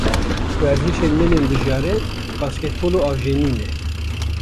Werzişên min ên bijare basketbol û avjenî ne.